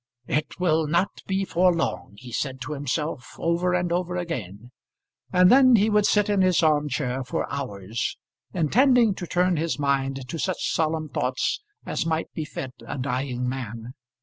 "It will not be for long," he said to himself over and over again. And then he would sit in his arm chair for hours, intending to turn his mind to such solemn thoughts as might befit a dying man.